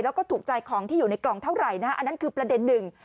แล้วก็ถูกใจของที่อยู่ในกล่องเท่าไหร่นะฮะอันนั้นคือประเด็นหนึ่ง